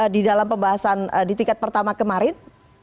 di dalam pembahasan di tingkat pertama kemarin